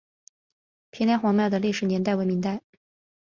平凉隍庙的历史年代为明代。